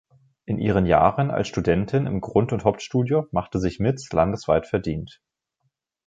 In ihren Jahren als Studentin im Grund- und Hauptstudium machte sich Mitts landesweit verdient.